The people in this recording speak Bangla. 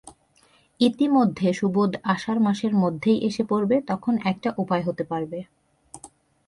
ইতিমধ্যে সুবোধ আষাঢ় মাসের মধ্যেই এসে পড়বে– তখন একটা উপায় হতে পারবে।